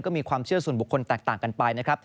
ก็มีความเชื่อส่วนบุคคลแตกต่างกันไปนะครับ